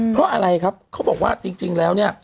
เพราะอะไรครับเขาบอกว่าจริงแล้วเนี่ย